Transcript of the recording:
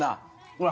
ほら！